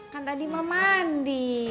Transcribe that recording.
kan tadi mah mandi